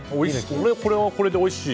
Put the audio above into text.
これはこれでおいしい。